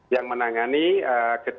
yang menangani gedahnya